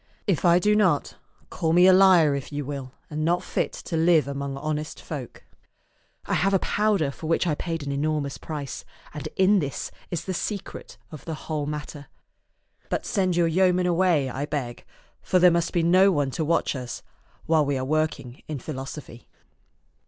If I do not, call me a liar if you will and not fit to live among honest folk. I have a powder for which I paid an enormous price, and in this is the secret of the whole matter. But send your yeoman away, I beg, for there must be no one to watch us while we are working in philosophy."